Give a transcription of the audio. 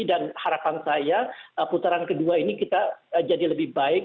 dan harapan saya putaran kedua ini kita jadi lebih baik